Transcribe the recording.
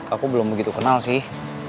aku belum begitu kenal sih